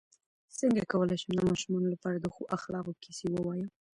څنګه کولی شم د ماشومانو لپاره د ښو اخلاقو کیسې ووایم